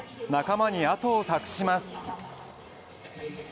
仲間に後を託します。